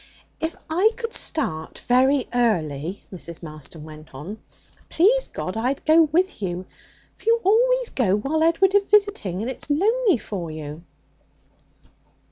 'If I could start very early,' Mrs. Marston went on, 'please God I'd go with you. For you always go while Edward is visiting, and it's lonely for you.'